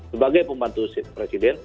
sebagai pembantu presiden